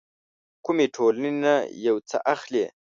کومې ټولنې نه يو څه اخلي.